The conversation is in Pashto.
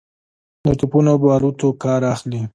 د توپونو باروتو کار اخلي.